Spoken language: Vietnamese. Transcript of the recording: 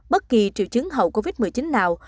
bất kỳ triệu chứng hậu covid một mươi chín nào